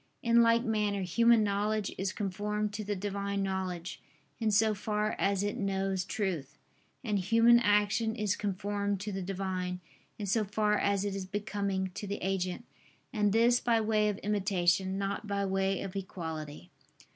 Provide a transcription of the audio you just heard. In like manner human knowledge is conformed to the Divine knowledge, in so far as it knows truth: and human action is conformed to the Divine, in so far as it is becoming to the agent: and this by way of imitation, not by way of equality.